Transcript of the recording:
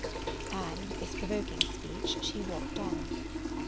And, with this provoking speech, she walked on.